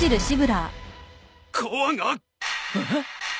コアが。えっ！？